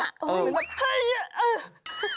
เหมือนแบบเฮ้ยเออ